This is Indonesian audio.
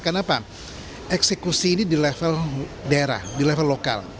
karena apa eksekusi ini di level daerah di level lokal